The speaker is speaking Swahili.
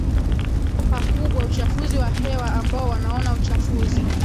pakubwa uchafuzi wa hewa ambao wanaonaUchafuzi